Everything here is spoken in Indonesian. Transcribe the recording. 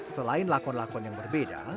selain lakon lakon yang berbeda